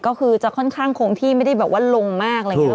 ก็คือจะค่อนข้างคงที่ไม่ได้แบบว่าลงมากอะไรอย่างนี้